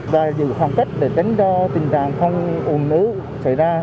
và giữ khoảng cách để tính cho tình trạng không ủn ứ xảy ra